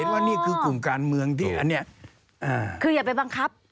ว่านี่คือกลุ่มการเมืองที่อันนี้คืออย่าไปบังคับ